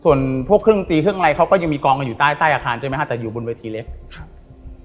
ส่วนพวกเครื่องตีเครื่องอะไรเขาก็ยังมีกองกันอยู่ใต้ใต้อาคารใช่ไหมฮะแต่อยู่บนเวทีเล็กครับ